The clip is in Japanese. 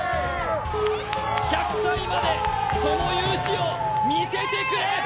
１００歳までその勇姿を見せてくれ！